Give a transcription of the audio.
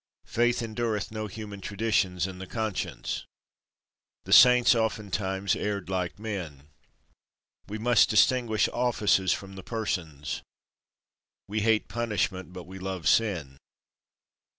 Faith endureth no human traditions in the conscience. The Saints oftentimes erred like men. We must distinguish offices from the persons. We hate punishment, but we love sin.